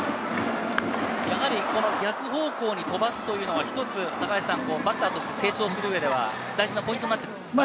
逆方向に飛ばすというのは、一つバッターとして成長する上で大事なポイントになってくるんですか？